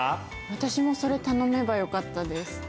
私もそれ頼めばよかったです